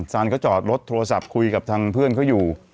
ซานก็จอดรถโทรศัพท์คุยกับทางเพื่อนเขาอยู่